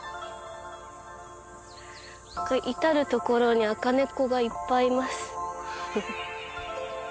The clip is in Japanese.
至る所に赤猫がいっぱいいます。